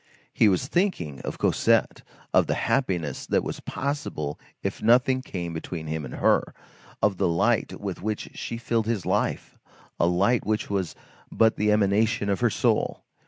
He was thinking of Cosette, of the happiness that was possible if nothing came between him and her, of the light with which she filled his life, a light which was but the emanation of her soul.